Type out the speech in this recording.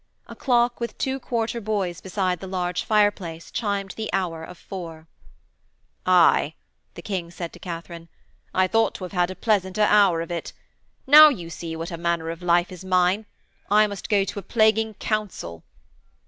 A clock with two quarter boys beside the large fireplace chimed the hour of four. 'Aye!' the King commented to Katharine. 'I thought to have had a pleasanter hour of it. Now you see what manner of life is mine: I must go to a plaguing council!'